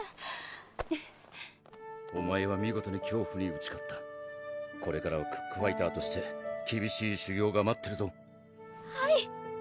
お前は見事に恐怖に打ち勝ったこれからはクックファイターとしてきびしい修行が待ってるぞはい！